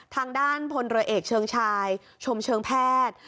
ทางด้านพลเรือเอกเชิงชายชมเชิงแพทย์